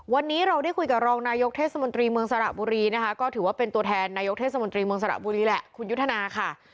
วันนี้เราได้คุยกับรองนายกเทศมนตรีเมืองสระบุรีนะคะก็ถือว่าเป็นตัวแทนนายกเทศมนตรีเมืองสระบุรีแหละคุณยุทธนาค่ะ